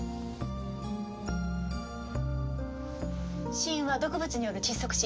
死因は毒物による窒息死。